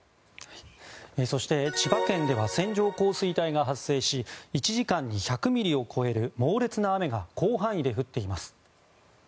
千葉県では線状降水帯が発生し１時間に１００ミリを超える猛烈な雨が広範囲で降っています。